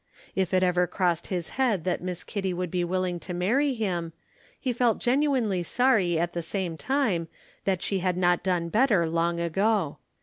If it ever crossed his head that Miss Kitty would be willing to marry him, he felt genuinely sorry at the same time that she had not done better long ago.